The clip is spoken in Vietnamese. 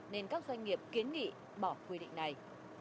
nên các doanh nghiệp kiến nghị bỏ quy định này